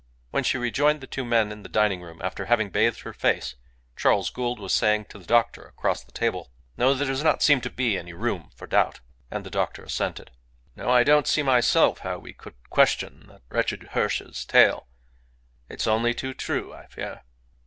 When she rejoined the two men in the diningroom after having bathed her face, Charles Gould was saying to the doctor across the table "No, there does not seem any room for doubt." And the doctor assented. "No, I don't see myself how we could question that wretched Hirsch's tale. It's only too true, I fear."